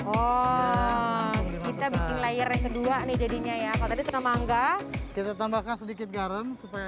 oh kita bikin layer kedua ini jadinya ya kalauami kita tambahkan sedikit garam supaya